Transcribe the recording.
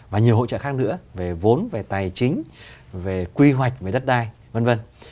và nhiều hỗ trợ khác nữa về vốn về tài chính về quy hoạch về đất đai vân vân